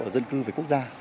dân cư về quốc gia